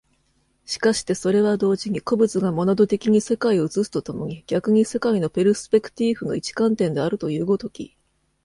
しかしてそれは同時に個物がモナド的に世界を映すと共に逆に世界のペルスペクティーフの一観点であるという如き、